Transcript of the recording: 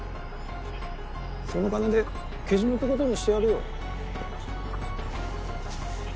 その金でけじめってことにしてやるよ。